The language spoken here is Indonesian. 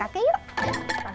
ah yuk ya